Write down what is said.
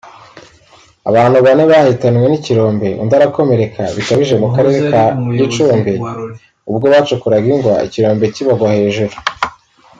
Abantu bane bahitanywe n’ikirombe undi arakomereka bikabije mu Karere ka Gicumbi ubwo bacukuraga ingwa ikirombe kibagwa hejuru